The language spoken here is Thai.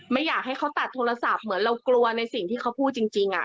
ไม่อยากให้เขาตัดโทรศัพท์เหมือนเรากลัวในสิ่งที่เขาพูดจริง